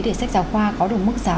để sách giáo khoa có được mức giá